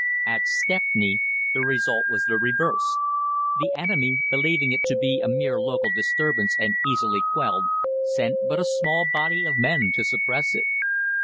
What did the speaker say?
"At Stepney, the result was the reverse. The enemy, believing it to be a mere local disturbance and easily quelled, sent but a small body of men to suppress it.